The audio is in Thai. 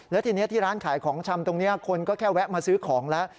แล้วทีนี้ที่ร้านขายของชำตรงนี้คนก็แค่แวะมาซื้อของแล้ว